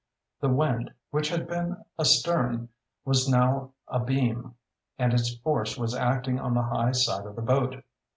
The wind, which had been astern, was now abeam and its force was acting on the high side of the boat.